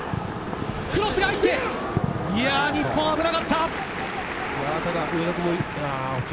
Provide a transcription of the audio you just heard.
クロスが入って、日本、危なかった。